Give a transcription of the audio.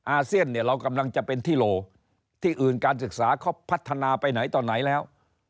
อาเซียนเนี่ยเรากำลังจะเป็นที่โลที่อื่นการศึกษาเขาพัฒนาไปไหนต่อไหนแล้ว